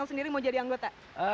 sendiri mau jadi anggota